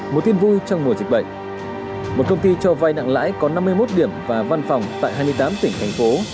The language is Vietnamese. một công ty cho vay nặng lãi có năm mươi một điểm và văn phòng tại hai mươi tám tỉnh thành phố